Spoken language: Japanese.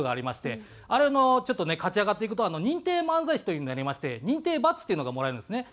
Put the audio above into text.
あれのちょっとね勝ち上がっていくと認定漫才師っていうのになれまして認定バッジっていうのがもらえるんですね。